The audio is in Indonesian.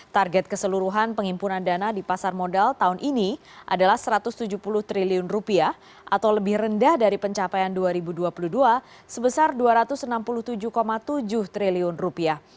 target keseluruhan pengimpunan dana di pasar modal tahun ini adalah satu ratus tujuh puluh triliun rupiah atau lebih rendah dari pencapaian dua ribu dua puluh dua sebesar dua ratus enam puluh tujuh tujuh triliun rupiah